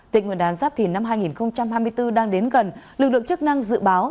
tỉnh nguyên đán giáp thìn năm hai nghìn hai mươi bốn đang đến gần lực lượng chức năng dự báo